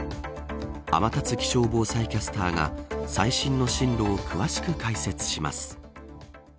天達気象防災キャスターが最新の進路を詳しく解説します。